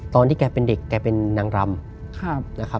ตอนที่แกเป็นเด็กแกเป็นนางรำ